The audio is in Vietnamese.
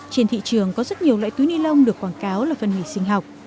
trên thị trường có rất nhiều loại túi ni lông được quảng cáo là phân hủy sinh học